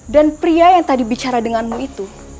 dan pria yang tadi bicara denganmu itu